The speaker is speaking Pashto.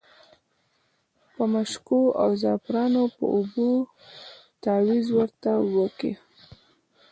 په مشکو او زعفرانو په اوبو تاویز ورته وکیښ.